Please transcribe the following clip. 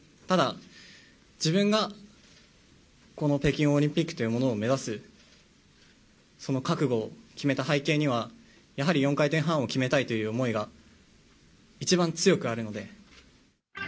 ただ、自分がこの北京オリンピックというものを目指す、その覚悟を決めた背景には、やはり４回転半を決めたいという思いが一番強くあるので。